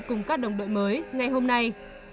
cùng các đồng đội mới ngay hôm nay